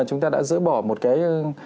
chúng ta đã dỡ bỏ một cái